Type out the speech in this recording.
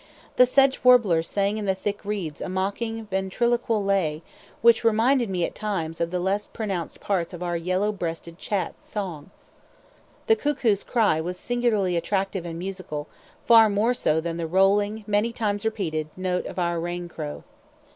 The sedge warbler sang in the thick reeds a mocking ventriloquial lay, which reminded me at times of the less pronounced parts of our yellow breasted chat's song. The cuckoo's cry was singularly attractive and musical, far more so than the rolling, many times repeated, note of our rain crow.